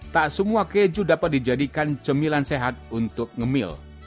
tak semua keju dapat dijadikan cemilan sehat untuk ngemil